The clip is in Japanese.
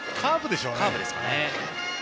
カーブでしょうね。